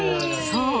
そう！